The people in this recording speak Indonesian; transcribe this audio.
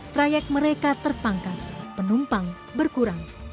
trayek mereka terpangkas penumpang berkurang